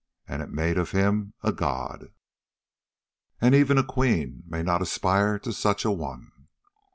And it made of him a god. And even a queen may not aspire to such an one.